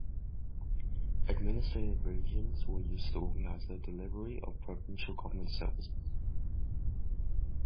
Administrative regions were used to organize the delivery of provincial government services.